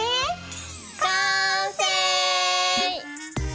完成！